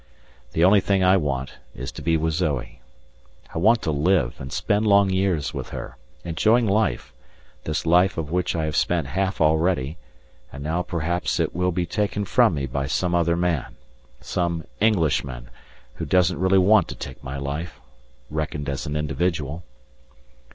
The only thing I want is to be with Zoe. I want to live and spend long years with her, enjoying life this life of which I have spent half already, and now perhaps it will be taken from me by some other man: some Englishman who doesn't really want to take my life, reckoned as an individual.